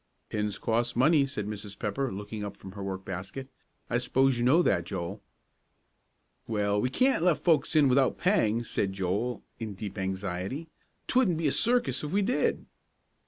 "Pins cost money," said Mrs. Pepper, looking up from her work basket. "I suppose you know that, Joel?" "Well, we can't let folks in without paying," said Joel, in deep anxiety. "'Twouldn't be a circus if we did."